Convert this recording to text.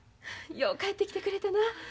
よう帰ってきてくれたな。